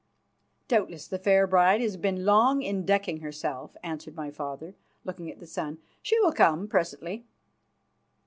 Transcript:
"Doubtless the fair bride has been long in decking herself," answered my father, looking at the sun. "She will come presently."